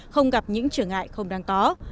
không gặp những trở ngại không đáng có